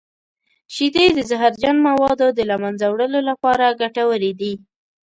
شیدې د زهرجن موادو د له منځه وړلو لپاره ګټورې دي.